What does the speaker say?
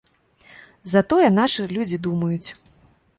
Затое нашы людзі думаюць.